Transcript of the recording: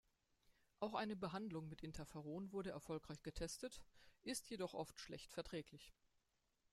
Auch eine Behandlung mit Interferon wurde erfolgreich getestet, ist jedoch oft schlecht verträglich.